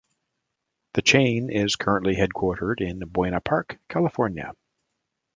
The chain is currently headquartered in Buena Park, California.